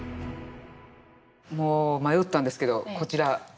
もう迷ったんですけどこちら。